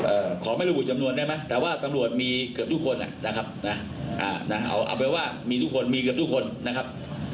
ขอไม่ระบุจำนวนได้ไหมแต่ว่าตำรวจมีเกือบทุกคนอ่ะนะครับนะอ่านะเอาเอาไปว่ามีทุกคนมีเกือบทุกคนนะครับ